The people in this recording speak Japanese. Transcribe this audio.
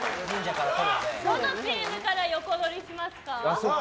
どのチームから横取りしますか。